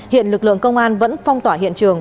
hiện lực lượng công an vẫn phong tỏa hiện trường